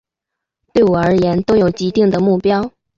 对我而言都有既定的目标